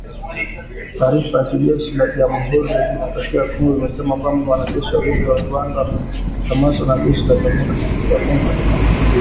Taarifa ya jeshi la Jamuhuri ya Demokrasia ya Kongo imesema kwamba wanajeshi wawili wa Rwanda wamekamatwa na jeshi la Jamuhuri ya Demokrasia ya Kongo katika makabiliano